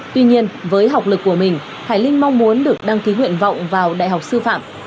tuy nhiên với học lực của mình hải linh mong muốn được đăng ký nguyện vọng vào đại học sư phạm